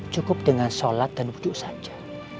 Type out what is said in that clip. cukup dengan sholat dan wudhu saja